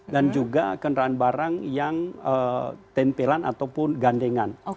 dan juga kendaraan barang yang tempelan ataupun gandengan